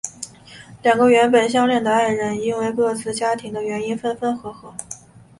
两个原本相恋的爱人因为各自家庭的原因分分合合。